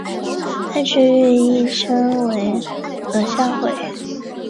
该区域亦称为额下回。